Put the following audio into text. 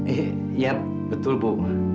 iya betul bu